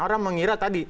orang mengira tadi